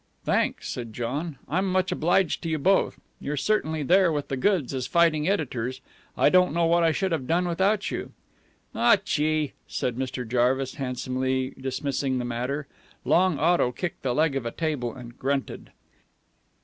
"Thanks," said John. "I'm much obliged to you both. You're certainly there with the goods as fighting editors. I don't know what I should have done without you." "Aw, Chee!" said Mr. Jarvis, handsomely dismissing the matter. Long Otto kicked the leg of a table, and grunted.